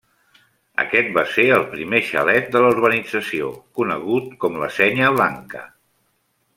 Aquest va ser el primer xalet de la urbanització, conegut com la Senya Blanca.